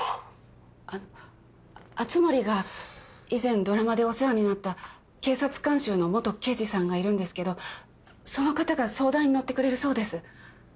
あの熱護が以前ドラマでお世話になった警察監修の元刑事さんがいるんですけどその方が相談に乗ってくれるそうです。